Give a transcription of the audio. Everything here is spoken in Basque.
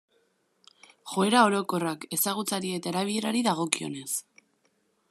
Joera orokorrak, ezagutzari eta erabilerari dagokionez.